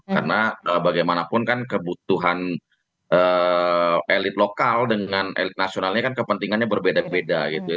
karena bagaimanapun kan kebutuhan elit lokal dengan elit nasionalnya kan kepentingannya berbeda beda gitu ya